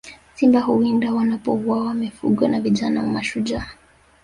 Simba huwindwa wanapowaua mifugo na vijana mashujaa